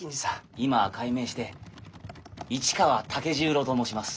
今は改名して市川武十郎と申します。